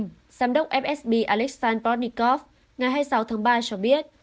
giám đốc fsb aleksandr protnikov ngày hai mươi sáu tháng ba cho biết